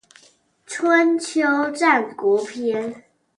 春秋戰國篇